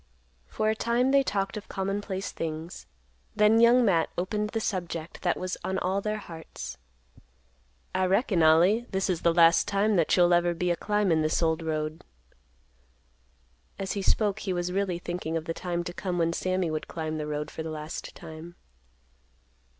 For a time they talked of commonplace things, then Young Matt opened the subject that was on all their hearts. "I reckon, Ollie, this is the last time that you'll ever be a climbin' this old road." As he spoke he was really thinking of the time to come when Sammy would climb the road for the last time.